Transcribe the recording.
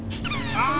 ああ！